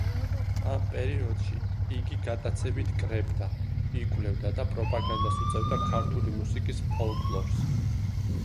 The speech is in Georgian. ამ პერიოდში იგი გატაცებით კრებდა, იკვლევდა და პროპაგანდას უწევდა ქართული მუსიკის ფოლკლორს.